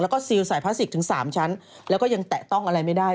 แล้วก็ซิลใส่พลาสติกถึง๓ชั้นแล้วก็ยังแตะต้องอะไรไม่ได้